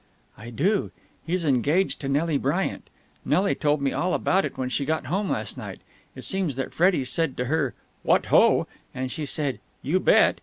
"I do. He's engaged to Nelly Bryant. Nelly told me all about it when she got home last night. It seems that Freddie said to her 'What ho!' and she said 'You bet!'